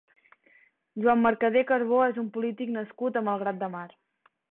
Joan Mercader Carbó és un polític nascut a Malgrat de Mar.